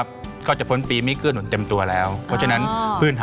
ฟ้าจะเปิดให้คนปีจอแล้วใช่ไหมคะ